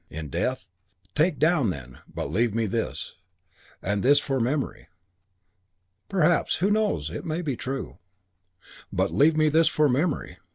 In death: "Take down, then; but leave me this and this for memory. Perhaps who knows? it may be true.... But leave me this for memory."